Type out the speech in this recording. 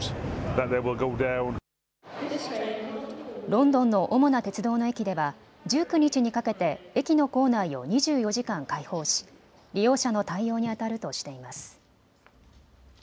ロンドンの主な鉄道の駅では１９日にかけて駅の構内を２４時間開放し利用者の対応にあたるとしています。